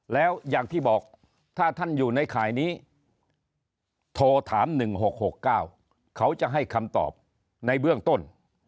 แล้วอย่างที่บอกถ้าท่านอยู่ในข่ายนี้โทรถาม๑๖๖๙เขาจะให้คำตอบในเบื้องต้น